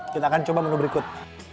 kita akan coba menu berikut